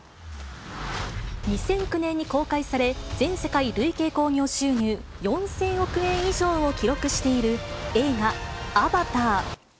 ２００９年に公開され、全世界累計興行収入４０００億円以上を記録している映画、アバター。